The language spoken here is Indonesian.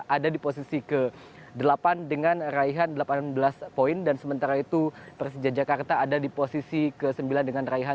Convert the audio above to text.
ada di posisi ke delapan dengan raihan delapan belas poin dan sementara itu persija jakarta ada di posisi ke sembilan dengan raihan